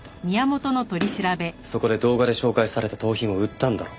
そこで動画で紹介された盗品を売ったんだろ。